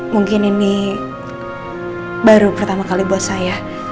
mungkin ini baru pertama kali buat saya